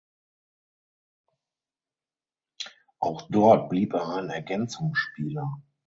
Auch dort blieb er ein Ergänzungsspieler.